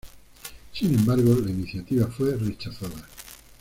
Sin embargo, la iniciativa fue rechazada.